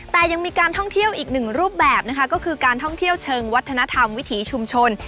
แต่ยังมีการท่องเที่ยวอีกหนึ่งรูปแบบนะคะก็คือการท่องเที่ยวเชิงวัฒนธรรมวิถีชุมชน